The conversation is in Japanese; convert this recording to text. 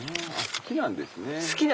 好きなんですね。